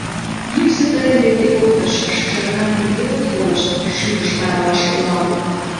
«Йӱксӧ тыйын деке колтыш Шӱжарнам кузе от колышт Шӱдыш аралаш олам.